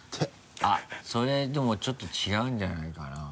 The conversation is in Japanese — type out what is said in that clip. あっそれでもちょっと違うんじゃないかな？